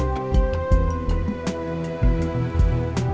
tidak baik sekali ternyata